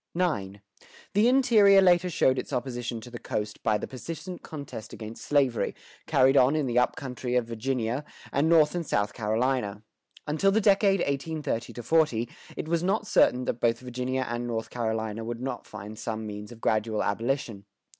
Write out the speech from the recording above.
IX. The interior later showed its opposition to the coast by the persistent contest against slavery, carried on in the up country of Virginia, and North and South Carolina. Until the decade 1830 40, it was not certain that both Virginia and North Carolina would not find some means of gradual abolition.